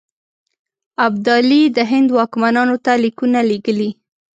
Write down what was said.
ابدالي د هند واکمنانو ته لیکونه لېږلي.